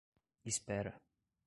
Espera